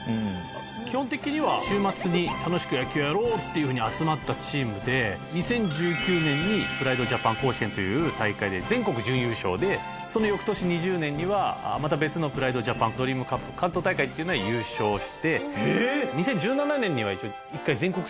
「基本的には週末に楽しく野球をやろうっていうふうに集まったチームで２０１９年にプライドジャパン甲子園という大会で全国準優勝でその翌年２０年にはまた別のプライドジャパンドリームカップ関東大会っていうので優勝して２０１７年には一応１回全国制覇を」